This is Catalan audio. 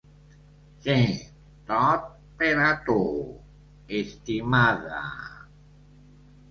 Si, tot per a tu, estimada!